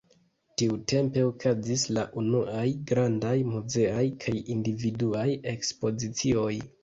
Tiutempe okazis la unuaj grandaj muzeaj kaj individuaj ekspozicioj.